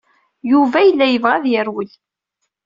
Yuba yella yebɣa ad yerwel.